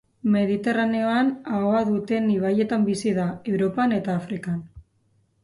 Mediterraneoan ahoa duten ibaietan bizi da, Europan eta Afrikan.